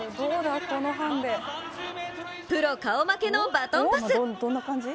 プロ顔負けのバトンパス。